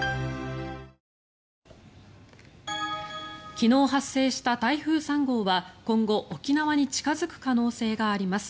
昨日発生した台風３号は今後沖縄に近付く可能性があります。